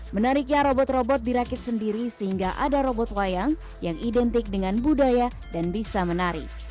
menariknya robot robot dirakit sendiri sehingga ada robot wayang yang identik dengan budaya dan bisa menari